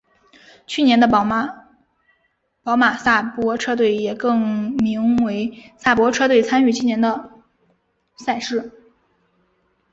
去年的宝马萨伯车队也更名为萨伯车队参与今年的赛事。